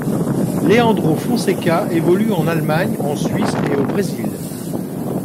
Leandro Fonseca évolue en Allemagne, en Suisse et au Brésil.